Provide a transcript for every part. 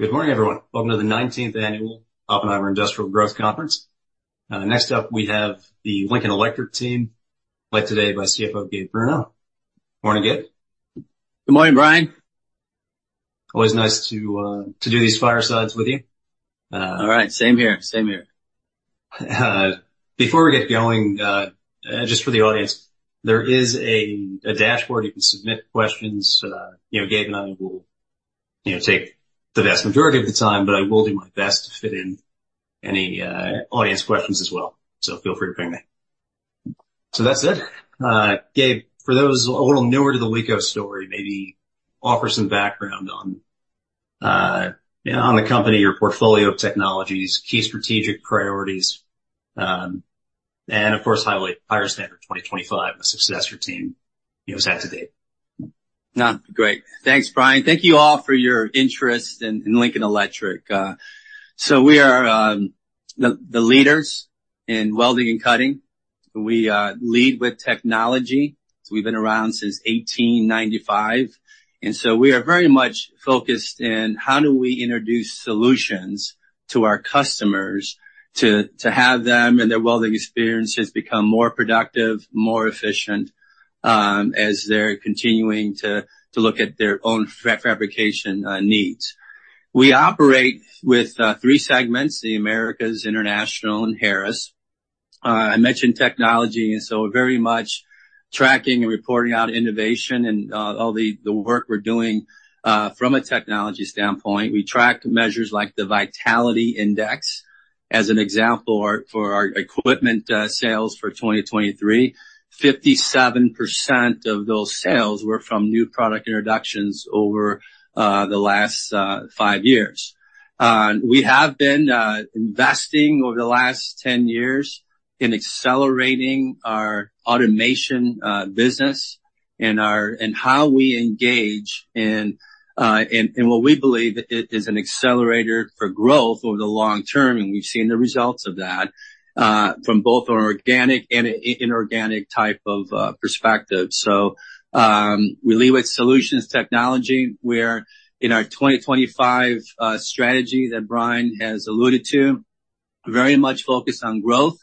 Good morning, everyone. Welcome to the nineteenth annual Oppenheimer Industrial Growth Conference. Next up, we have the Lincoln Electric team, led today by CFO Gabe Bruno. Morning, Gabe. Good morning, Bryan. Always nice to do these firesides with you. All right. Same here, same here. Before we get going, just for the audience, there is a dashboard. You can submit questions. You know, Gabe and I will, you know, take the vast majority of the time, but I will do my best to fit in any audience questions as well. So feel free to ping me. So that said, Gabe, for those a little newer to the LECO story, maybe offer some background on, yeah, on the company, your portfolio of technologies, key strategic priorities, and of course, highlight Higher Standard 2025, the success your team, you know, is at today. Great. Thanks, Bryan. Thank you all for your interest in Lincoln Electric. So we are the leaders in welding and cutting. We lead with technology, so we've been around since 1895, and so we are very much focused in how do we introduce solutions to our customers to have them and their welding experiences become more productive, more efficient, as they're continuing to look at their own fabrication needs. We operate with three segments, the Americas, International, and Harris. I mentioned technology, and so we're very much tracking and reporting out innovation and all the work we're doing from a technology standpoint. We track measures like the Vitality Index. As an example, our equipment sales for 2023, 57% of those sales were from new product introductions over the last 5 years. We have been investing over the last 10 years in accelerating our automation business and how we engage in what we believe is an accelerator for growth over the long term, and we've seen the results of that from both an organic and inorganic type of perspective. So, we lead with solutions technology, where in our 2025 strategy that Bryan has alluded to, very much focused on growth.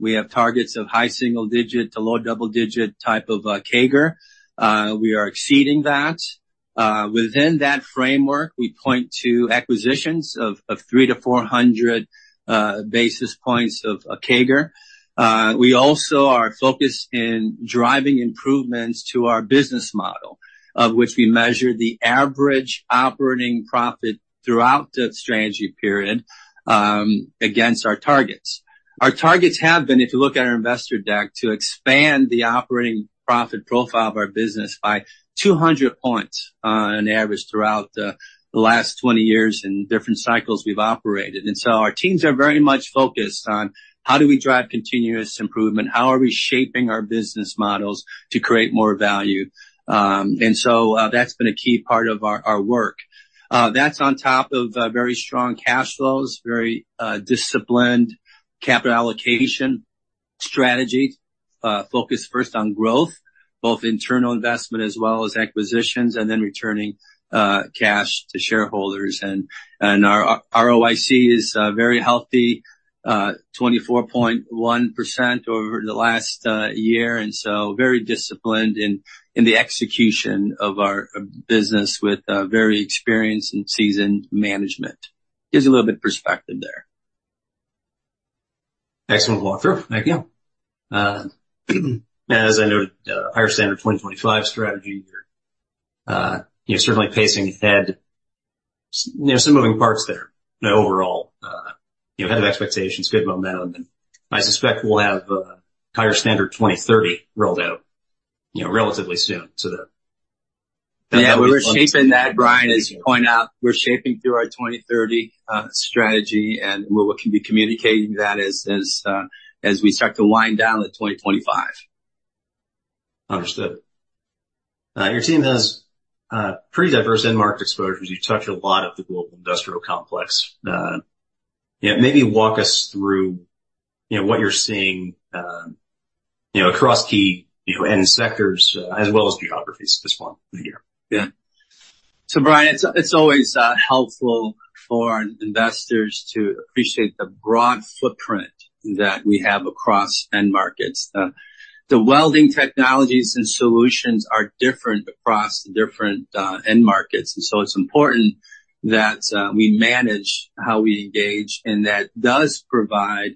We have targets of high single-digit to low double-digit type of CAGR. We are exceeding that. Within that framework, we point to acquisitions of 300-400 basis points of CAGR. We also are focused in driving improvements to our business model, of which we measure the average operating profit throughout the strategy period against our targets. Our targets have been, if you look at our investor deck, to expand the operating profit profile of our business by 200 points on average throughout the last 20 years in different cycles we've operated. And so our teams are very much focused on how do we drive continuous improvement? How are we shaping our business models to create more value? And so that's been a key part of our work. That's on top of very strong cash flows, very disciplined capital allocation strategy, focused first on growth, both internal investment as well as acquisitions, and then returning cash to shareholders. And our ROIC is very healthy, 24.1% over the last year, and so very disciplined in the execution of our business with a very experienced and seasoned management. Gives you a little bit of perspective there. Excellent walkthrough. Thank you. As I noted, Higher Standard 2025 strategy, you're certainly pacing ahead. There are some moving parts there, but overall, you know, good momentum, and I suspect we'll have Higher Standard 2030 rolled out, you know, relatively soon, so the- Yeah, we're shaping that, Bryan, as you point out, we're shaping through our 2030 strategy, and we'll be communicating that as we start to wind down the 2025. Understood. Your team has pretty diverse end market exposures. You touch a lot of the global industrial complex. Yeah, maybe walk us through, you know, what you're seeing, you know, across key, you know, end sectors, as well as geographies this far of the year. Yeah. So Bryan, it's, it's always helpful for investors to appreciate the broad footprint that we have across end markets. The welding technologies and solutions are different across different end markets, and so it's important that we manage how we engage, and that does provide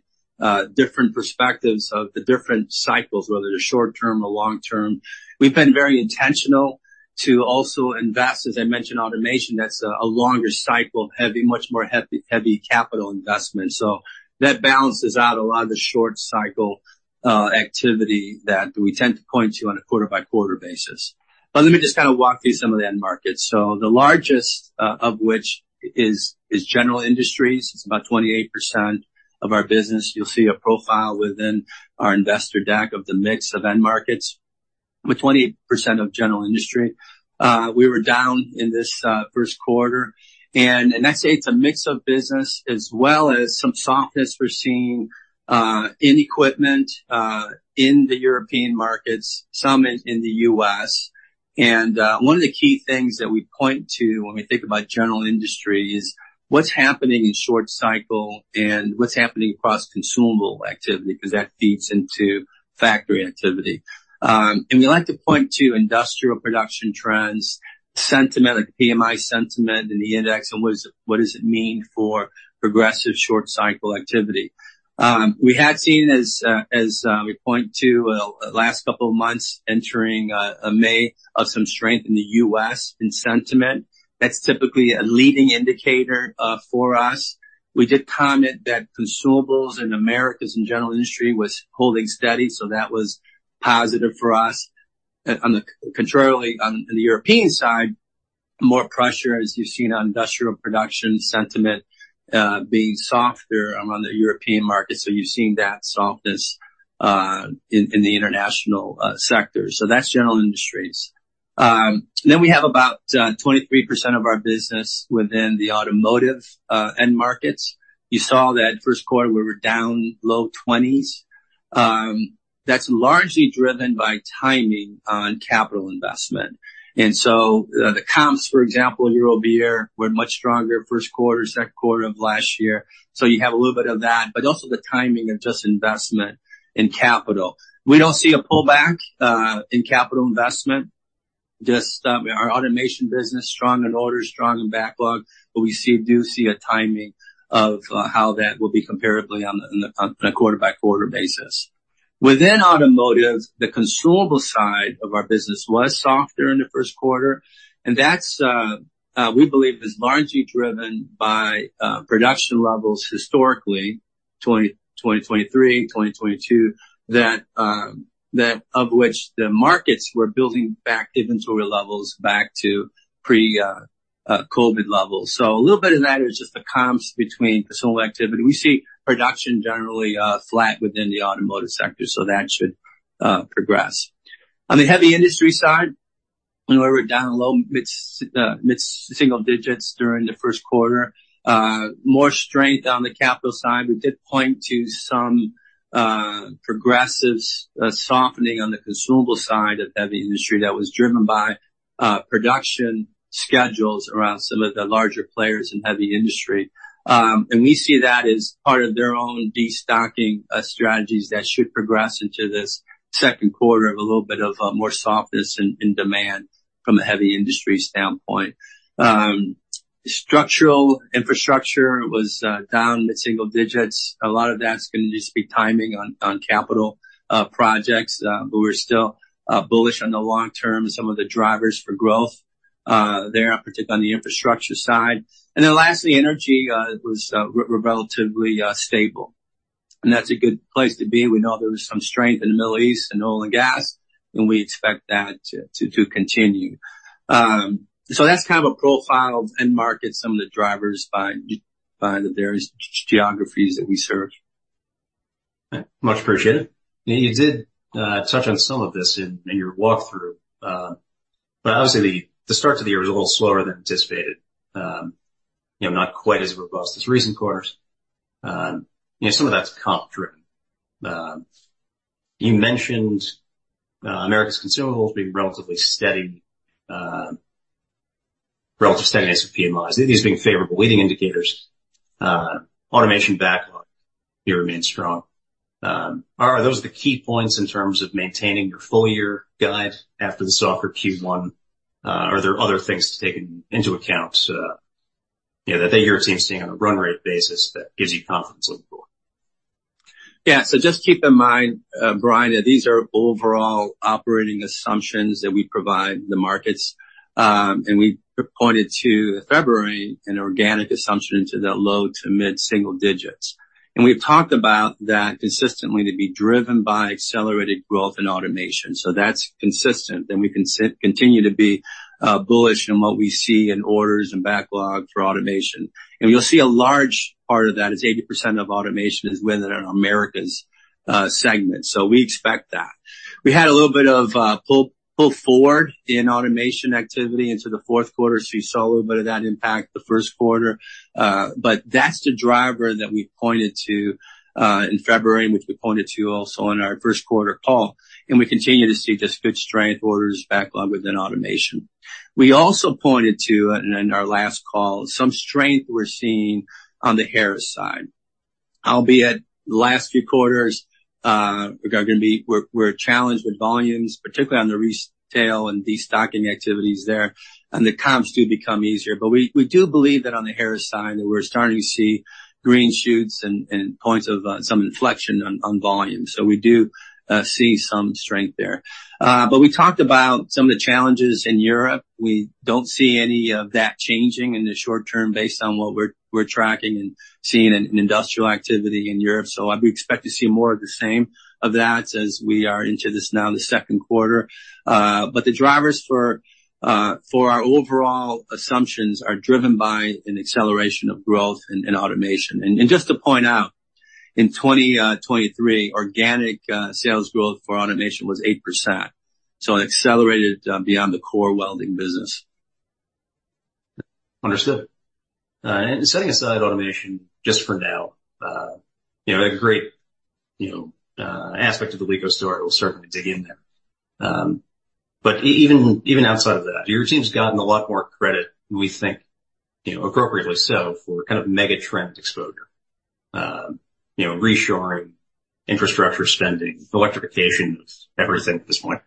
different perspectives of the different cycles, whether they're short-term or long-term. We've been very intentional to also invest, as I mentioned, automation, that's a longer cycle, heavy, much more heavy, heavy capital investment. So that balances out a lot of the short cycle activity that we tend to point to on a quarter-by-quarter basis. But let me just kind of walk through some of the end markets. So the largest of which is general industries. It's about 28% of our business. You'll see a profile within our investor deck of the mix of end markets... with 20% of general industry. We were down in this first quarter, and I'd say it's a mix of business as well as some softness we're seeing in equipment in the European markets, some in the US. One of the key things that we point to when we think about general industry is what's happening in short cycle and what's happening across consumable activity, 'cause that feeds into factory activity. We like to point to industrial production trends, sentiment, like PMI sentiment in the index, and what does it mean for progressive short cycle activity? We had seen, as we point to, last couple of months entering May of some strength in the US in sentiment. That's typically a leading indicator for us. We did comment that consumables in Americas and general industry was holding steady, so that was positive for us. On the contrarily, on the European side, more pressure, as you've seen, on industrial production sentiment being softer among the European markets. So you're seeing that softness in the international sector. So that's general industries. Then we have about 23% of our business within the automotive end markets. You saw that first quarter, we were down low 20s. That's largely driven by timing on capital investment. And so the comps, for example, year-over-year, were much stronger first quarter, second quarter of last year. So you have a little bit of that, but also the timing of just investment in capital. We don't see a pullback in capital investment, just our automation business, strong in orders, strong in backlog, but we do see a timing of how that will be comparably on a quarter-by-quarter basis. Within automotive, the consumable side of our business was softer in the first quarter, and that's we believe is largely driven by production levels historically, 2020, 2023, 2022, that of which the markets were building back inventory levels back to pre-COVID levels. So a little bit of that is just the comps between personal activity. We see production generally flat within the automotive sector, so that should progress. On the heavy industry side, we were down low- to mid-single digits during the first quarter. More strength on the capital side. We did point to some progressive softening on the consumable side of heavy industry that was driven by production schedules around some of the larger players in heavy industry. And we see that as part of their own destocking strategies that should progress into this second quarter of a little bit of more softness in demand from a heavy industry standpoint. Structural infrastructure was down mid-single digits. A lot of that's gonna just be timing on capital projects, but we're still bullish on the long term, some of the drivers for growth there, particularly on the infrastructure side. And then lastly, energy was relatively stable. And that's a good place to be. We know there was some strength in the Middle East in oil and gas, and we expect that to continue. So that's kind of a profile of end markets, some of the drivers by the various geographies that we serve. Much appreciated. Now, you did touch on some of this in your walkthrough, but obviously the start to the year was a little slower than anticipated, you know, not quite as robust as recent quarters. You know, some of that's comp driven. You mentioned Americas consumables being relatively steady as with PMIs, these being favorable leading indicators, automation backlog here remains strong. Are those the key points in terms of maintaining your full-year guide after the softer Q1? Are there other things to take into account, you know, that your team is seeing on a run rate basis that gives you confidence looking forward? Yeah. So just keep in mind, Brian, that these are overall operating assumptions that we provide the markets. And we pointed to February, an organic assumption into that low- to mid-single digits. And we've talked about that consistently to be driven by accelerated growth in automation. So that's consistent, and we continue to be, bullish on what we see in orders and backlog for automation. And you'll see a large part of that is 80% of automation is within our Americas segment. So we expect that. We had a little bit of, pull forward in automation activity into the fourth quarter, so you saw a little bit of that impact the first quarter. But that's the driver that we pointed to in February, and which we pointed to also in our first quarter call, and we continue to see just good strength orders backlog within automation. We also pointed to, in our last call, some strength we're seeing on the Harris side. Albeit the last few quarters are gonna be were challenged with volumes, particularly on the retail and destocking activities there, and the comps do become easier. But we do believe that on the Harris side, that we're starting to see green shoots and points of some inflection on volume. So we do see some strength there. But we talked about some of the challenges in Europe. We don't see any of that changing in the short term based on what we're tracking and seeing in industrial activity in Europe. So we expect to see more of the same of that as we are into this now, the second quarter. But the drivers for our overall assumptions are driven by an acceleration of growth in automation. And just to point out. In 2023, organic sales growth for automation was 8%. So it accelerated beyond the core welding business. Understood. And setting aside automation just for now, you know, a great, you know, aspect of the LECO story, we'll certainly dig in there. But even, even outside of that, your team's gotten a lot more credit, we think, you know, appropriately so, for kind of mega trend exposure. You know, reshoring, infrastructure spending, electrification of everything at this point.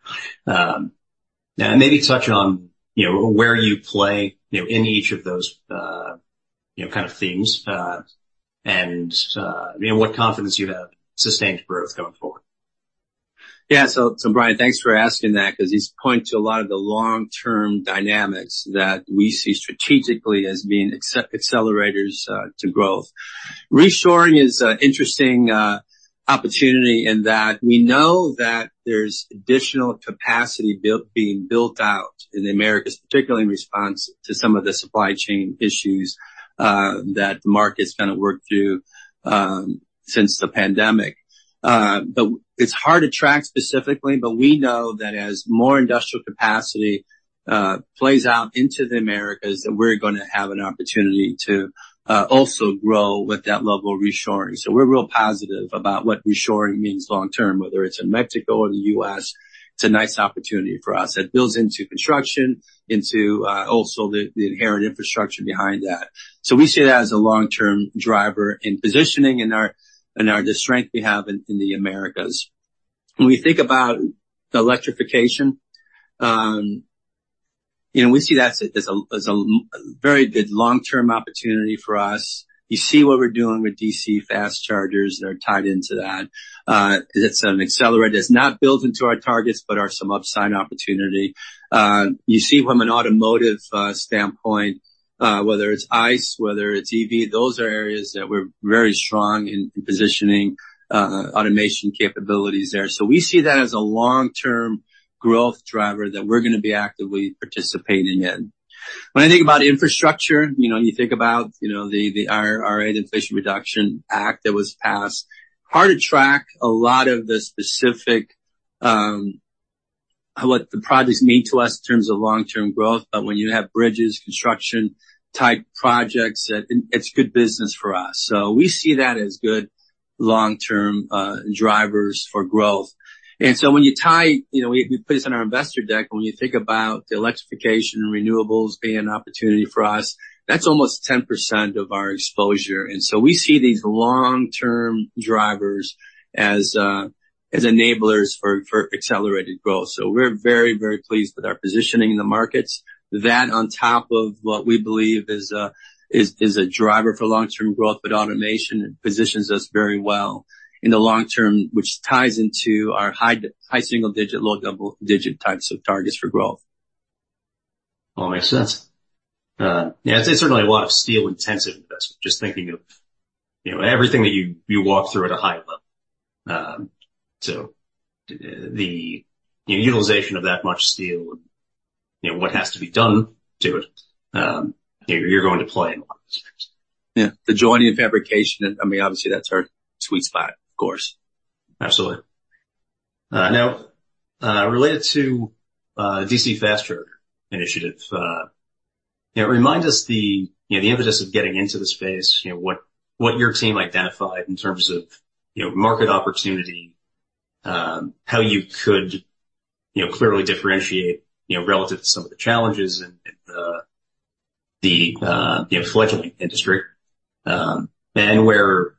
Maybe touch on, you know, where you play, you know, in each of those, you know, kind of themes, and, you know, what confidence you have, sustained growth going forward. Yeah. So, so Bryan, thanks for asking that, 'cause these point to a lot of the long-term dynamics that we see strategically as being accelerators to growth. Reshoring is an interesting opportunity in that we know that there's additional capacity being built out in the Americas, particularly in response to some of the supply chain issues that the market's gonna work through since the pandemic. But it's hard to track specifically, but we know that as more industrial capacity plays out into the Americas, that we're gonna have an opportunity to also grow with that level of reshoring. So we're real positive about what reshoring means long term, whether it's in Mexico or the U.S., it's a nice opportunity for us. It builds into construction, into also the inherent infrastructure behind that. So we see that as a long-term driver in positioning our strength in the Americas. When we think about the electrification, you know, we see that as a very good long-term opportunity for us. You see what we're doing with DC fast chargers that are tied into that. It's an accelerator. It's not built into our targets, but are some upside opportunity. You see from an automotive standpoint, whether it's ICE, whether it's EV, those are areas that we're very strong in positioning automation capabilities there. So we see that as a long-term growth driver that we're gonna be actively participating in. When I think about infrastructure, you know, you think about the IRA, Inflation Reduction Act that was passed. hard to track a lot of the specific what the projects mean to us in terms of long-term growth, but when you have bridges, construction-type projects, it's good business for us. So we see that as good long-term drivers for growth. And so when you tie, you know, we put this on our investor deck. When you think about the electrification and renewables being an opportunity for us, that's almost 10% of our exposure. And so we see these long-term drivers as enablers for accelerated growth. So we're very, very pleased with our positioning in the markets. That, on top of what we believe is a driver for long-term growth, but automation positions us very well in the long term, which ties into our high single-digit, low double-digit types of targets for growth. All makes sense. Yeah, it's certainly a lot of steel-intensive investment, just thinking of, you know, everything that you walk through at a high level. So the utilization of that much steel, you know, what has to be done to it, you're going to play in a lot of spaces. Yeah, the joining and fabrication, I mean, obviously, that's our sweet spot, of course. Absolutely. Now, related to DC Fast Charger initiative, you know, remind us the, you know, the impetus of getting into the space, you know, what, what your team identified in terms of, you know, market opportunity, how you could, you know, clearly differentiate, you know, relative to some of the challenges in, in the, the fledgling industry, and where,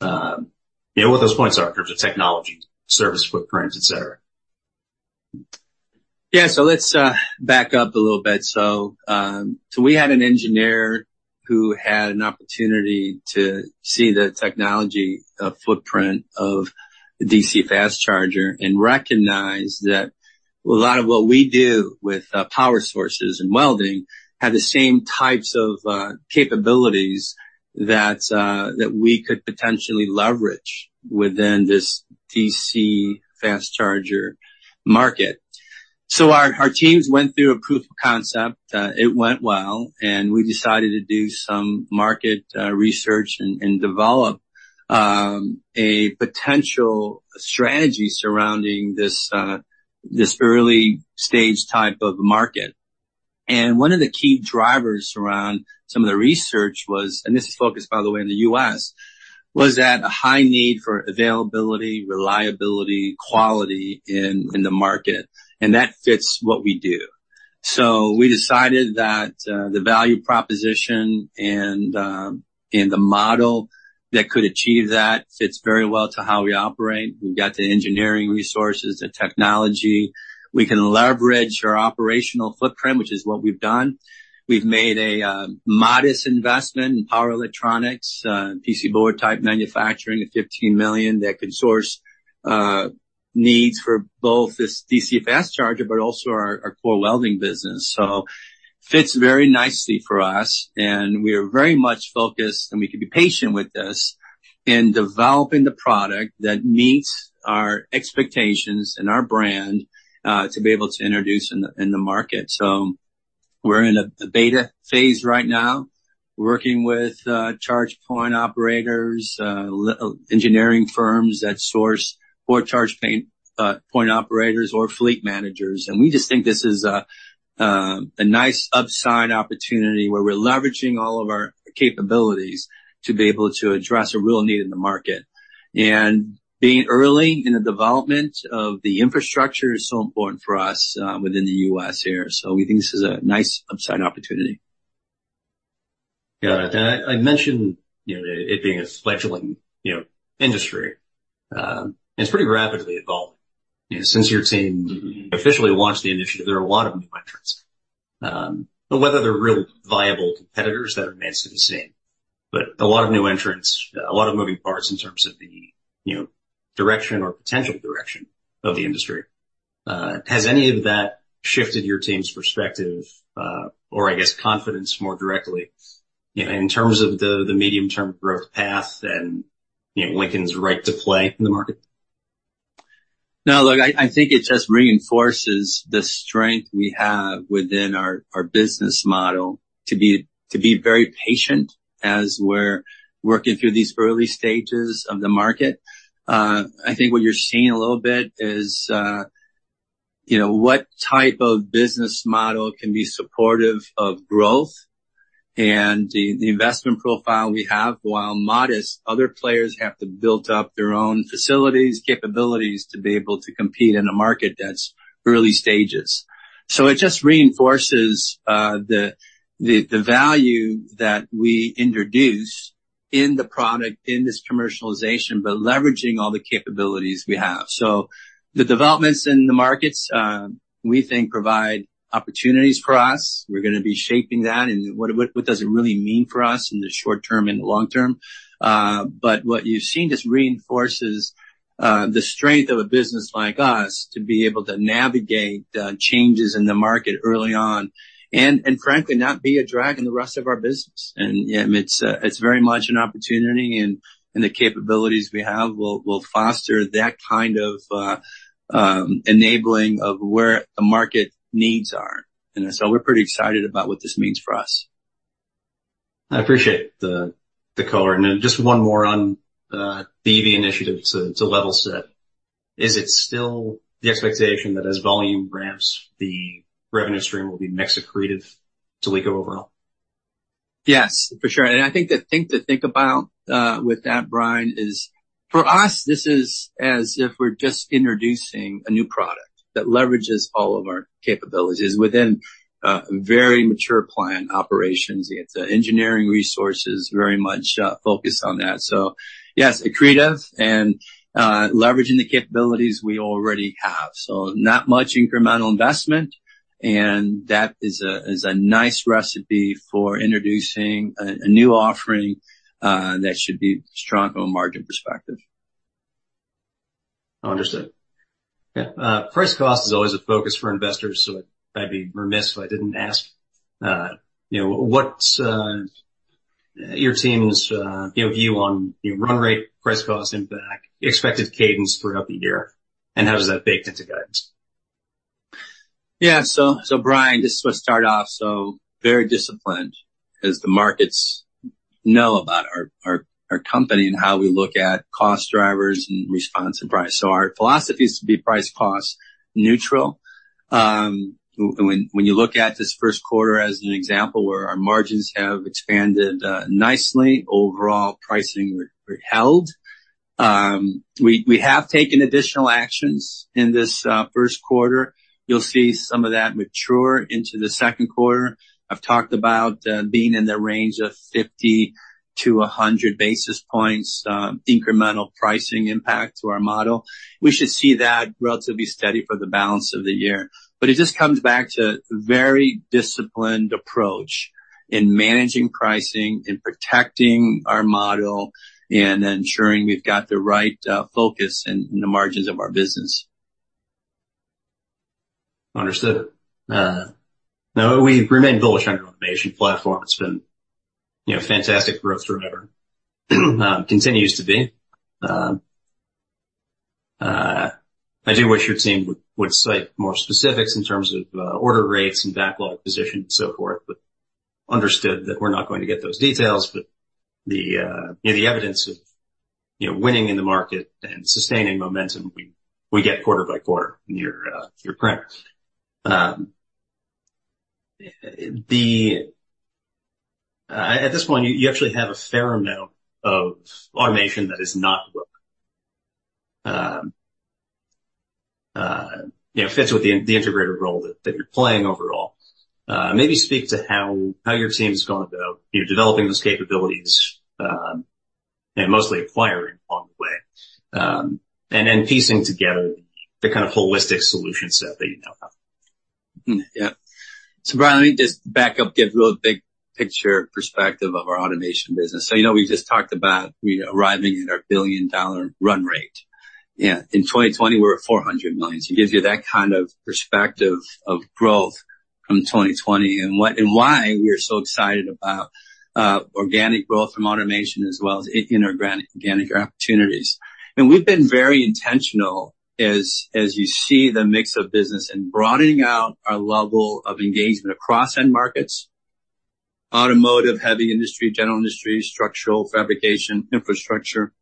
you know, what those points are in terms of technology, service, footprints, et cetera. Yeah, so let's back up a little bit. So we had an engineer who had an opportunity to see the technology footprint of the DC Fast Charger and recognize that a lot of what we do with power sources and welding have the same types of capabilities that we could potentially leverage within this DC Fast Charger market. So our teams went through a proof of concept, it went well, and we decided to do some market research and develop a potential strategy surrounding this early stage type of market. And one of the key drivers around some of the research was, and this is focused, by the way, in the U.S., that a high need for availability, reliability, quality in the market, and that fits what we do. So we decided that, the value proposition and, and the model that could achieve that fits very well to how we operate. We've got the engineering resources, the technology. We can leverage our operational footprint, which is what we've done. We've made a, modest investment in power electronics, PC board type manufacturing, at $15 million, that can source, needs for both this DC fast charger, but also our, our core welding business. So fits very nicely for us, and we are very much focused, and we can be patient with this, in developing the product that meets our expectations and our brand, to be able to introduce in the, in the market. We're in a, a beta phase right now, working with, charge point operators, like engineering firms that source or charge point, point operators or fleet managers. We just think this is a nice upside opportunity where we're leveraging all of our capabilities to be able to address a real need in the market. Being early in the development of the infrastructure is so important for us within the U.S. here, so we think this is a nice upside opportunity. Got it. And I mentioned, you know, it being a fledgling, you know, industry, it's pretty rapidly evolving. You know, since your team officially launched the initiative, there are a lot of new entrants. But whether they're real viable competitors, that remains to be seen. But a lot of new entrants, a lot of moving parts in terms of the, you know, direction or potential direction of the industry. Has any of that shifted your team's perspective, or I guess, confidence more directly, you know, in terms of the, the medium-term growth path and, you know, Lincoln's right to play in the market? No, look, I think it just reinforces the strength we have within our business model to be very patient as we're working through these early stages of the market. I think what you're seeing a little bit is, you know, what type of business model can be supportive of growth? And the investment profile we have, while modest, other players have to build up their own facilities, capabilities to be able to compete in a market that's early stages. So it just reinforces the value that we introduce in the product, in this commercialization, but leveraging all the capabilities we have. So the developments in the markets, we think, provide opportunities for us. We're gonna be shaping that, and what does it really mean for us in the short term and the long term? But what you've seen just reinforces the strength of a business like us to be able to navigate changes in the market early on and frankly, not be a drag on the rest of our business. And it's very much an opportunity, and the capabilities we have will foster that kind of enabling of where the market needs are. And so we're pretty excited about what this means for us. I appreciate the color. And then just one more on the EV initiative to level set. Is it still the expectation that as volume ramps, the revenue stream will be mix accretive to Lincoln overall? Yes, for sure. And I think the thing to think about, with that, Bryan, is for us, this is as if we're just introducing a new product that leverages all of our capabilities within, very mature client operations. It's engineering resources, very much, focused on that. So yes, accretive and, leveraging the capabilities we already have. So not much incremental investment, and that is a, is a nice recipe for introducing a, a new offering, that should be strong from a margin perspective. Understood. Yeah. Price cost is always a focus for investors, so I'd be remiss if I didn't ask, you know, what's your team's, you know, view on your run rate, price cost impact, expected cadence throughout the year, and how does that bake into guidance? Yeah. So, Bryan, just to start off, so very disciplined, 'cause the markets know about our company and how we look at cost drivers and response and price. So our philosophy is to be price cost neutral. When you look at this first quarter as an example where our margins have expanded nicely, overall pricing held. We have taken additional actions in this first quarter. You'll see some of that mature into the second quarter. I've talked about being in the range of 50-100 basis points incremental pricing impact to our model. We should see that relatively steady for the balance of the year. But it just comes back to very disciplined approach in managing pricing, in protecting our model, and ensuring we've got the right focus in the margins of our business. Understood. Now, we've remained bullish on your automation platform. It's been, you know, fantastic growth driver. Continues to be. I do wish your team would cite more specifics in terms of order rates and backlog position and so forth, but understood that we're not going to get those details. But the, you know, the evidence of, you know, winning in the market and sustaining momentum, we get quarter by quarter in your press release. At this point, you actually have a fair amount of automation that is not booked. You know, fits with the integrator role that you're playing overall. Maybe speak to how your team's gone about, you know, developing those capabilities, and mostly acquiring along the way, and then piecing together the kind of holistic solution set that you now have. Yeah. So Bryan, let me just back up, give a big picture perspective of our automation business. So, you know, we just talked about, you know, arriving at our billion-dollar run rate. Yeah, in 2020, we were at $400 million. So it gives you that kind of perspective of growth from 2020 and what-- and why we are so excited about, organic growth from automation as well as organic opportunities. And we've been very intentional as, as you see the mix of business in broadening out our level of engagement across end markets.... automotive, heavy industry, general industry, structural fabrication, infrastructure,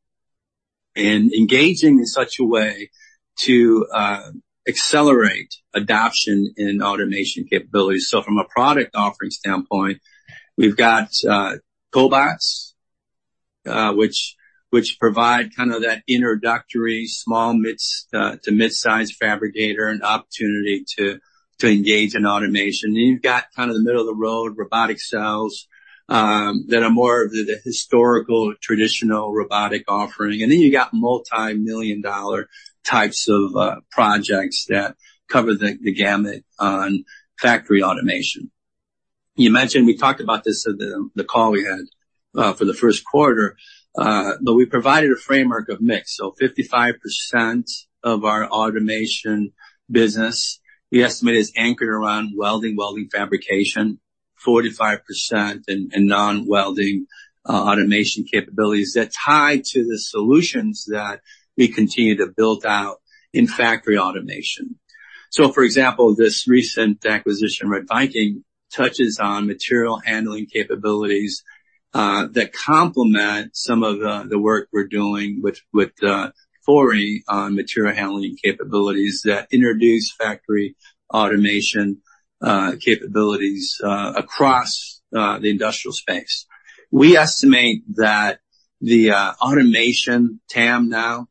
and engaging in such a way to, accelerate adoption in automation capabilities. So from a product offering standpoint, we've got, cobots, which provide kind of that introductory small midsize to mid-sized fabricator an opportunity to, engage in automation. Then you've got kind of the middle-of-the-road robotic cells that are more of the historical, traditional robotic offering. And then you got multimillion-dollar types of projects that cover the gamut on factory automation. You mentioned, we talked about this at the call we had for the first quarter, but we provided a framework of mix. So 55% of our automation business, we estimate, is anchored around welding, welding fabrication, 45% in non-welding automation capabilities that tie to the solutions that we continue to build out in factory automation. So for example, this recent acquisition, RedViking, touches on material handling capabilities that complement some of the work we're doing with Fori on material handling capabilities that introduce factory automation capabilities across the industrial space. We estimate that the automation TAM now,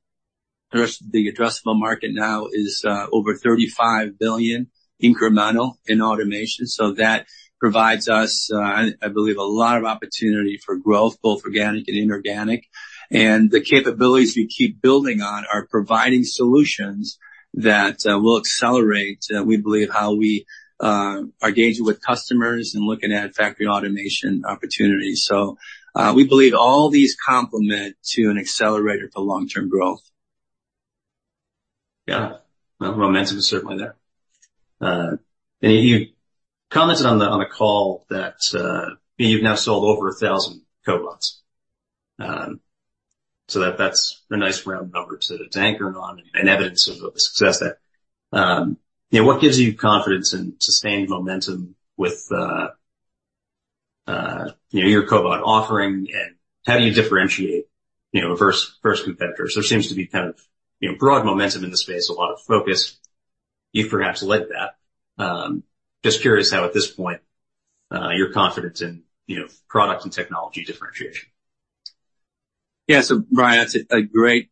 there's the addressable market now is over $35 billion incremental in automation. So that provides us, I, I believe, a lot of opportunity for growth, both organic and inorganic. And the capabilities we keep building on are providing solutions that will accelerate, we believe, how we are engaging with customers and looking at factory automation opportunities. So, we believe all these complement to an accelerator for long-term growth. Yeah. Well, momentum is certainly there. And you commented on the call that you've now sold over 1,000 cobots. So that's a nice round number to anchor on and evidence of the success there. You know, what gives you confidence in sustained momentum with, you know, your cobot offering, and how do you differentiate, you know, versus competitors? There seems to be kind of, you know, broad momentum in the space, a lot of focus. You've perhaps led that. Just curious how, at this point, your confidence in, you know, product and technology differentiation. Yeah. So, Bryan, that's a great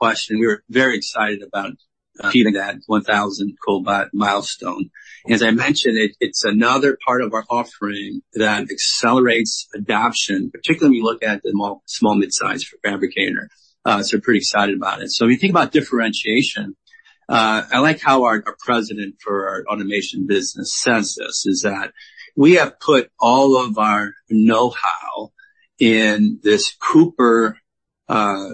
question. We were very excited about achieving that 1,000 cobot milestone. As I mentioned, it's another part of our offering that accelerates adoption, particularly when you look at the small mid-sized fabricator. So we're pretty excited about it. So when you think about differentiation, I like how our president for our automation business says this, is that we have put all of our know-how in this Cooper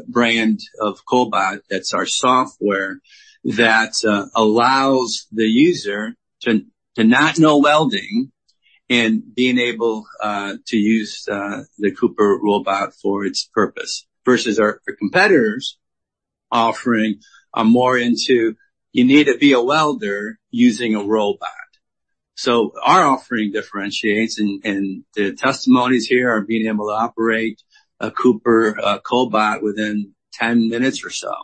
brand of cobot. That's our software that allows the user to not know welding and being able to use the Cooper robot for its purpose, versus our competitors offering a more into, you need to be a welder using a robot. So our offering differentiates, and the testimonies here are being able to operate a Cooper cobot within 10 minutes or so.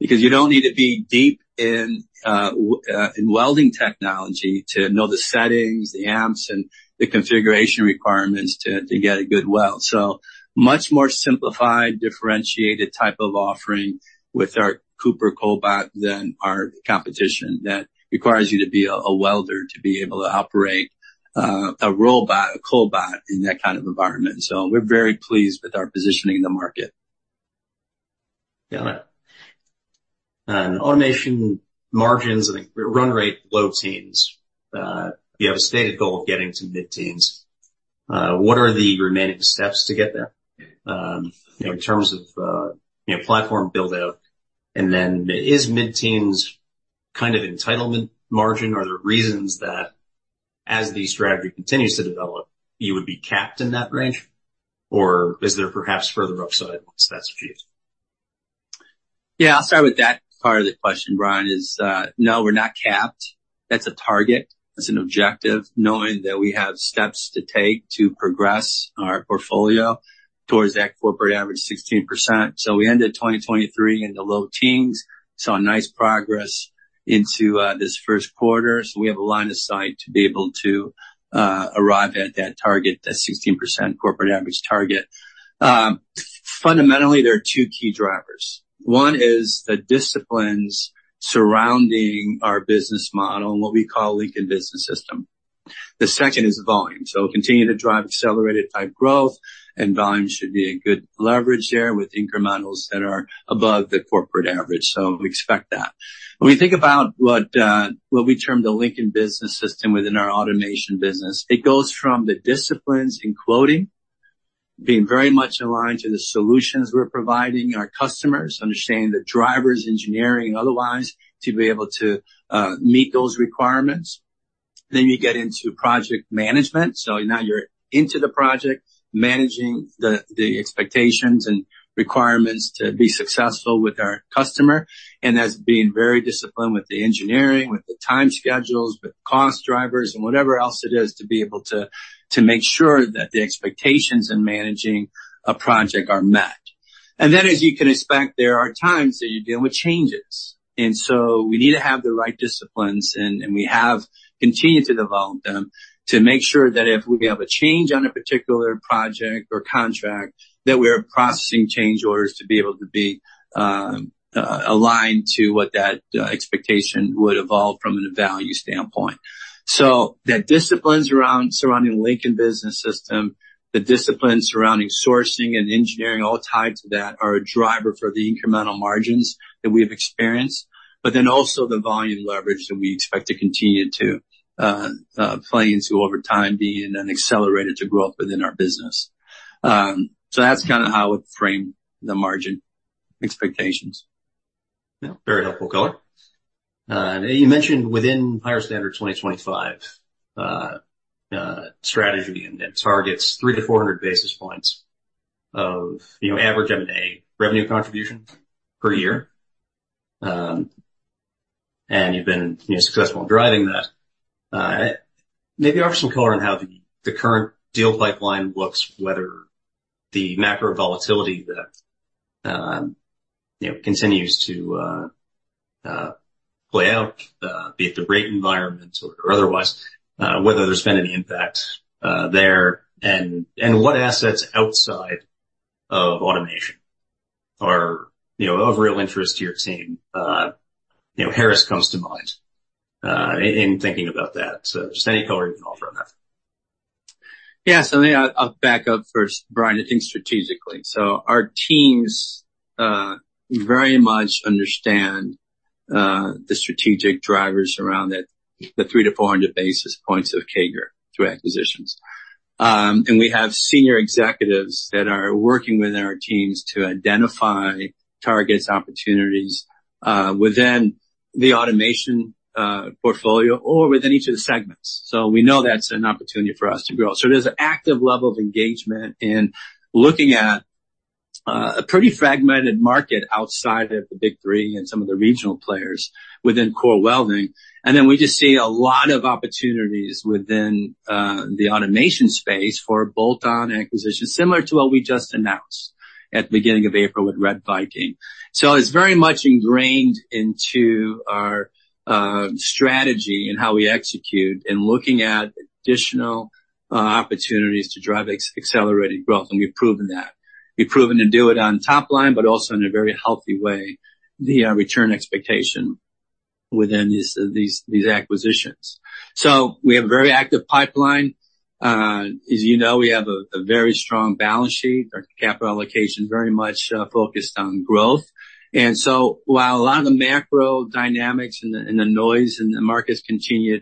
Because you don't need to be deep in, in welding technology to know the settings, the amps, and the configuration requirements to, to get a good weld. So much more simplified, differentiated type of offering with our Cooper cobot than our competition, that requires you to be a, a welder to be able to operate, a robot, a cobot in that kind of environment. So we're very pleased with our positioning in the market. Got it. Automation margins and run rate, low teens. You have a stated goal of getting to mid-teens. What are the remaining steps to get there, you know, in terms of, you know, platform build-out? And then is mid-teens kind of entitlement margin, or are there reasons that as the strategy continues to develop, you would be capped in that range, or is there perhaps further upside once that's achieved? Yeah, I'll start with that part of the question, Bryan, is no, we're not capped. That's a target. That's an objective, knowing that we have steps to take to progress our portfolio towards that corporate average 16%. So we ended 2023 in the low teens, saw a nice progress into this first quarter, so we have a line of sight to be able to arrive at that target, that 16% corporate average target. Fundamentally, there are two key drivers. One is the disciplines surrounding our business model and what we call Lincoln Business System. The second is volume. So we'll continue to drive accelerated type growth, and volume should be a good leverage there with incrementals that are above the corporate average, so we expect that. When we think about what, what we term the Lincoln Business System within our automation business, it goes from the disciplines in quoting, being very much aligned to the solutions we're providing our customers, understanding the drivers, engineering, otherwise, to be able to meet those requirements. Then you get into project management. So now you're into the project, managing the expectations and requirements to be successful with our customer, and that's being very disciplined with the engineering, with the time schedules, with cost drivers, and whatever else it is, to be able to make sure that the expectations in managing a project are met. And then, as you can expect, there are times that you're dealing with changes, and so we need to have the right disciplines, and we have continued to develop them to make sure that if we have a change on a particular project or contract, that we are processing change orders to be able to be aligned to what that expectation would evolve from a value standpoint. So the disciplines around surrounding Lincoln Business System, the disciplines surrounding sourcing and engineering, all tied to that, are a driver for the incremental margins that we have experienced, but then also the volume leverage that we expect to continue to play into over time, being an accelerator to growth within our business. So that's kind of how I would frame the margin expectations. Yeah, very helpful color. You mentioned within Higher Standard 2025, strategy and that targets 300-400 basis points of, you know, average M&A revenue contribution per year. And you've been, you know, successful in driving that. Maybe offer some color on how the current deal pipeline looks, whether the macro volatility that, you know, continues to play out, be it the rate environment or otherwise, whether there's been any impact there, and what assets outside of automation are, you know, of real interest to your team? You know, Harris comes to mind, in thinking about that. So just any color you can offer on that. Yeah. So maybe I'll, I'll back up first, Bryan, I think strategically. So our teams very much understand the strategic drivers around the 300-400 basis points of CAGR through acquisitions. And we have senior executives that are working within our teams to identify targets, opportunities within the automation portfolio or within each of the segments. So we know that's an opportunity for us to grow. So there's an active level of engagement in looking at a pretty fragmented market outside of the Big Three and some of the regional players within core welding. And then we just see a lot of opportunities within the automation space for bolt-on acquisitions, similar to what we just announced at the beginning of April with RedViking. So it's very much ingrained into our strategy and how we execute in looking at additional opportunities to drive accelerated growth, and we've proven that. We've proven to do it on top line, but also in a very healthy way, the return expectation within these acquisitions. So we have a very active pipeline. As you know, we have a very strong balance sheet. Our capital allocation is very much focused on growth. And so while a lot of the macro dynamics and the noise in the markets continue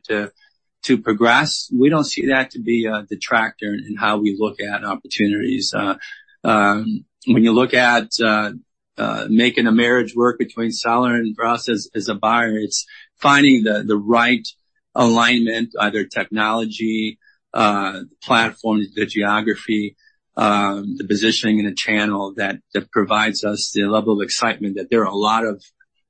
to progress, we don't see that to be a detractor in how we look at opportunities. When you look at making a marriage work between seller and for us as a buyer, it's finding the right alignment, either technology, the platforms, the geography, the positioning in a channel that provides us the level of excitement, that there are a lot of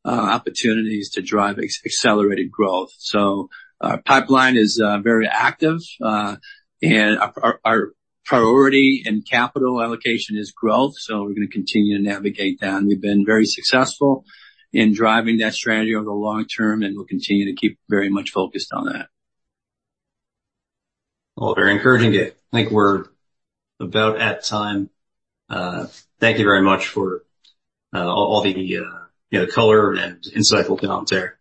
opportunities to drive accelerated growth. So our pipeline is very active, and our priority and capital allocation is growth, so we're going to continue to navigate that, and we've been very successful in driving that strategy over the long term, and we'll continue to keep very much focused on that. Well, very encouraging to hear. I think we're about at time. Thank you very much for all the, you know, color and insightful comments there.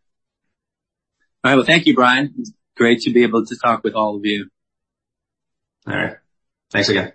All right. Well, thank you, Bryan. It's great to be able to talk with all of you. All right. Thanks again.